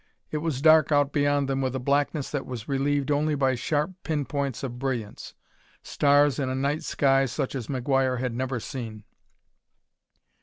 It was dark out beyond them with a blackness that was relieved only by sharp pin points of brilliance stars in a night sky such as McGuire had never seen.